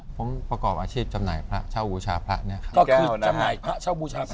ผมประกอบอาชีพจำหน่ายพระเช้าบูชาพระเนี่ยครับ